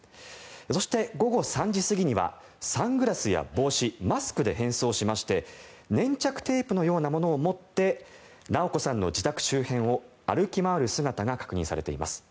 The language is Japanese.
そして午後３時過ぎにはサングラスや帽子、マスクで変装しまして粘着テープのようなものを持って直子さんの自宅周辺を歩き回る姿が確認されています。